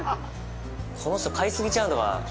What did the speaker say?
この人、買いすぎちゃうん？とか。